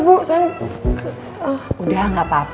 boleh juga ngapain nih tiga